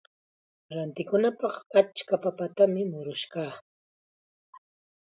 Rantikunapaq achka papatam murush kaa.